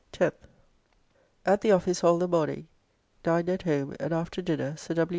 10th. At the office all the morning; dined at home, and after dinner Sir W.